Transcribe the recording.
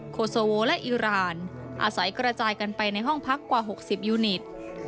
โคโซโวและอิราณอาศัยกระจายกันไปในห้องพักกว่า๖๐ยูนิต